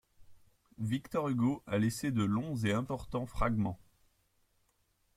Victor Hugo a laissé de longs et importants fragments.